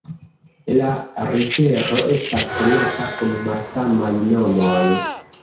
La rivero estas konata kun malsamaj nomoj.